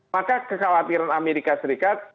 maka kekhawatiran amerika serikat